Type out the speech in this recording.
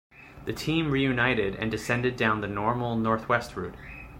The team reunited and descended down the normal, northwest route.